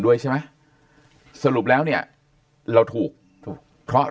ด้วยใช่ไหมสรุปแล้วเนี่ยเราถูกถูกเพราะ